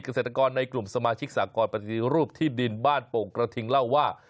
เกษตรกรในกลุ่มสมาชิกสากรปฏิรูปที่ดินบ้านโป่งกระทิงเล่าว่า